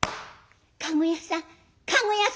「駕籠屋さん駕籠屋さん！」。